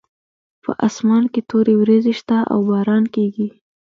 په اسمان کې تورې وریځې شته او باران کیږي